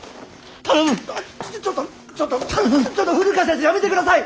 ちょっと古川先生やめて下さい！